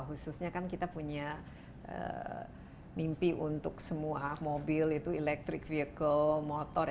khususnya kan kita punya mimpi untuk semua mobil itu electric vehicle motor